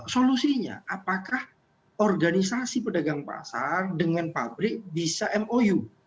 solusinya apakah organisasi pedagang pasar dengan pabrik bisa mou